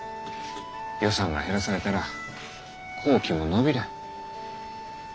予算が減らされたら工期も延びる。